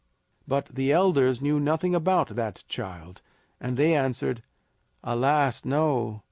But the elders knew nothing about that child, and they answered: "Alas, no!